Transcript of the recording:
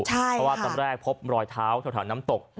ใช่ค่ะเพราะว่าตั้งแต่แรกพบรอยเท้าเท่าน้ำตก